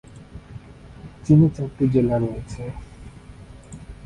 চিনে চারটি জেলা রয়েছে।